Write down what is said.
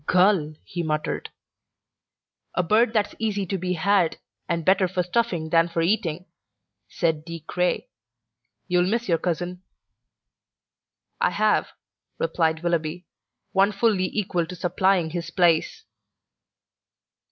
"Gull!" he muttered. "A bird that's easy to be had, and better for stuffing than for eating," said De Craye. "You'll miss your cousin." "I have," replied Willoughby, "one fully equal to supplying his place."